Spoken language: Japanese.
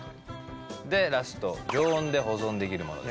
でラスト常温で保存できるものです。